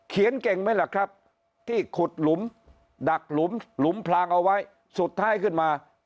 เก่งไหมล่ะครับที่ขุดหลุมดักหลุมหลุมพลางเอาไว้สุดท้ายขึ้นมา